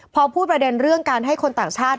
พอพูดประเด็นเรื่องการให้คนต่างชาติ